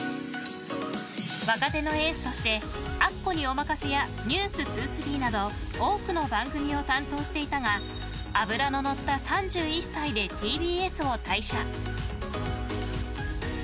若手のエースとして「アッコにおまかせ！」や「ｎｅｗｓ２３」など多くの番組を担当していたが脂ののった３１歳でＴＢＳを退社。